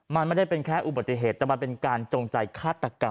มันไม่ได้เป็นแค่อุบัติเหตุแต่มันเป็นการจงใจฆาตกรรม